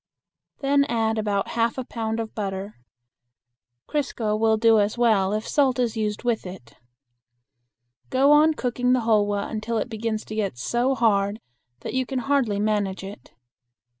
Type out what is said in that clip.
Then add about half a pound of butter. Crisco will do as well if salt is used with it. Go on cooking the hulwa until it begins to get so hard that you can hardly manage it.